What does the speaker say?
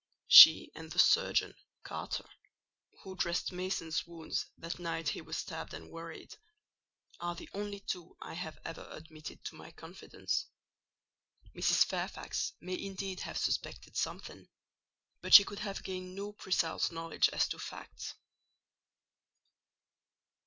She and the surgeon, Carter (who dressed Mason's wounds that night he was stabbed and worried), are the only two I have ever admitted to my confidence. Mrs. Fairfax may indeed have suspected something, but she could have gained no precise knowledge as to facts.